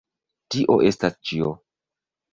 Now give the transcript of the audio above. Tio estas ĉio!